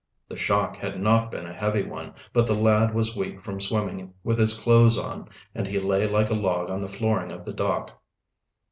The shock had not been a heavy one, but the lad was weak from swimming with his clothes on, and he lay like a log on the flooring of the dock.